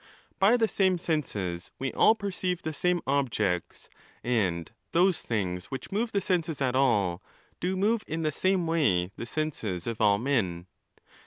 By the same senses we all perceive the same objects, and those things which move the senses at all, do move in the same way the senses of all men.